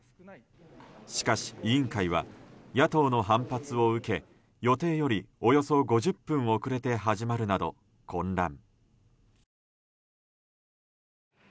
しかし、委員会は野党の反発を受け予定よりおよそ５０分遅れて始まるなど混乱。